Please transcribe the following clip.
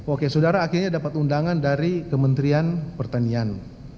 oke saudara akhirnya dapat undangan dari kementerian pertanian